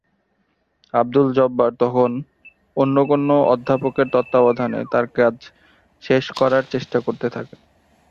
আবদুল জব্বার তখন অন্য কোনো অধ্যাপকের তত্ত্বাবধানে তার কাজ শেষ করার চেষ্টা করতে থাকেন।